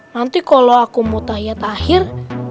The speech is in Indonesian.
nanti kalau aku mau tahiyyat akhir